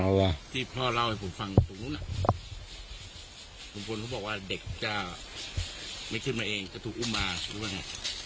จะถูกอุ่มมาคืออะไรไหม